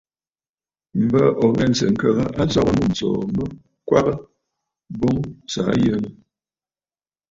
M̀bə ò ghɛ̂sə̀ ŋkəgə aso wa mûm ǹsòò mə kwaʼa boŋ sɨ̀ aa yənə!